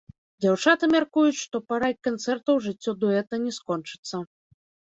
Дзяўчаты мяркуюць, што парай канцэртаў жыццё дуэта не скончыцца.